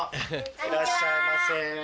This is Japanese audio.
いらっしゃいませ。